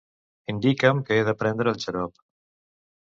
Indica'm que he de prendre el xarop.